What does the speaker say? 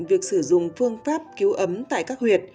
việc sử dụng phương pháp cứu ấm tại các huyện